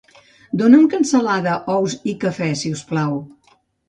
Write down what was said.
Dóna'm cansalada, ous i cafè, si us plau.